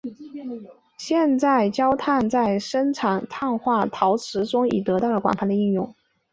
现在焦炭在生产碳化物陶瓷中已经得到了广泛的应用。